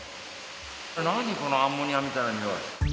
なにこのアンモニアみたいなニオイ。